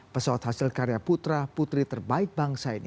pesawat hasil karya putra putri terbaik bangsa ini